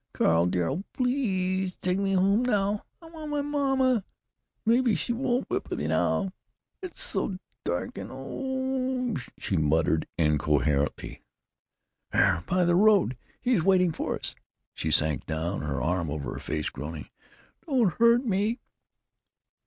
Carl dear, oh, pleassssse take me home now. I want my mamma. Maybe she won't whip me now. It's so dark and—ohhhhhh——" She muttered, incoherently: "There! By the road! He's waiting for us!" She sank down, her arm over her face, groaning, "Don't hurt me!"